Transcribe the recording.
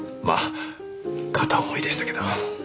まあ片思いでしたけど。